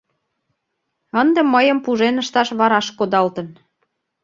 Ынде мыйым пужен ышташ вараш кодалтын.